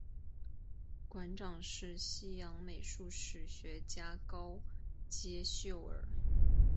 馆长是西洋美术史学家高阶秀尔。